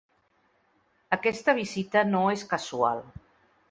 Aquesta visita no és casual.